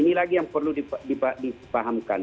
ini lagi yang perlu dipahamkan